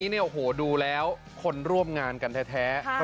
นี่ดูแล้วคนร่วมงานกันแท้